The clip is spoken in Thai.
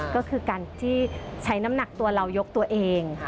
ก็คือการที่ใช้น้ำหนักตัวเรายกตัวเอง